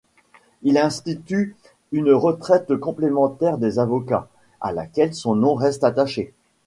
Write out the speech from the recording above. Il institue une retraite complémentaire des avocats, à laquelle son nom reste attaché.